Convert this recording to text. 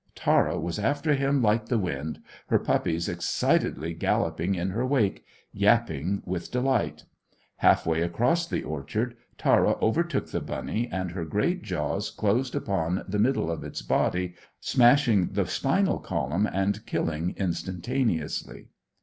Tara was after him like the wind, her puppies excitedly galloping in her wake, yapping with delight. Half way across the orchard Tara overtook the bunny, and her great jaws closed upon the middle of its body, smashing the spinal column and killing instantaneously.